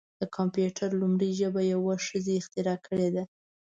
د کمپیوټر لومړنۍ ژبه یوه ښځې اختراع کړې ده.